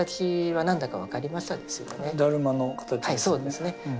はいそうですね。